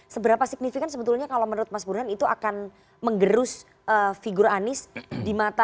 seberapa signifikan sebetulnya kalau menurut mas burhan itu akan menggerus figur anies di mata